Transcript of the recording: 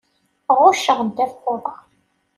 Ɣucceɣ ddabex n uḍaṛ.